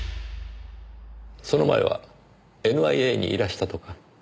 その前はＮＩＡにいらしたとか。